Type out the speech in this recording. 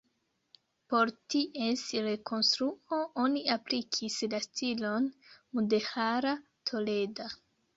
Por ties rekonstruo oni aplikis la stilon mudeĥara toleda.